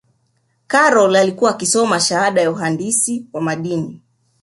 karol alikiuwa akisoma shahada ya uhandisi wa mandini